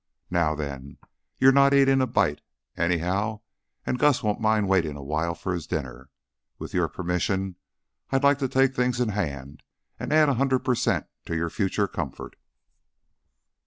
Now then, you're not eating a bite, anyhow, and Gus won't mind waiting awhile for his dinner. With your permission, I'd like to take things in hand and add a hundred per cent to your future comfort?"